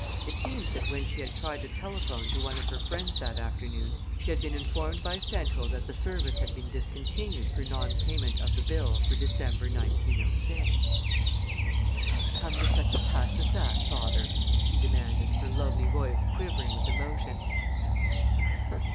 It seems that when she had tried to telephone to one of her friends that afternoon she had been informed by Central that the service had been discontinued for non payment of the bill for December, 1906. "Have we come to such a pass as that, father?" she demanded, her lovely voice quivering with emotion.